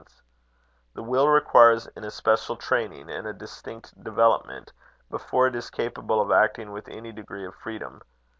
The will requires an especial training and a distinct development, before it is capable of acting with any degree of freedom.